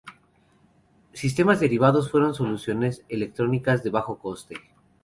Sistemas derivados fueron soluciones electrónicas de bajo coste.